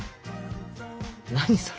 何それ。